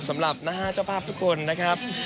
สำหรับนะฮะเจ้าภาพทุกคนนะครับ